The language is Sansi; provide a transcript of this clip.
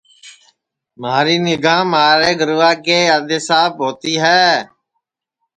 مہاری نیگھا مہارے گَروا کے آدؔیساپ ہوتی ہے